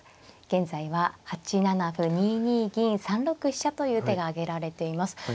現在は８七歩２二銀３六飛車という手が挙げられています。